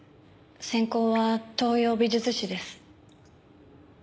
専攻は東洋美術史です。